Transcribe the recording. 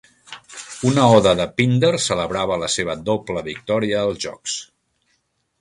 Una oda de Píndar celebrava la seva doble victòria als jocs.